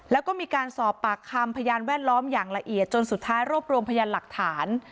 แล้วก็มีการสอบปากคำพยานแวดล้อมอย่างละเอียดจนสุดท้ายรวบรวมพยานหลักฐาน